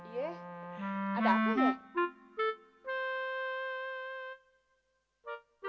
iya ada apa bu